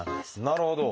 なるほど。